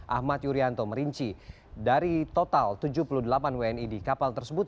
ahmad yuryanto merinci dari total tujuh puluh delapan wni di kapal tersebut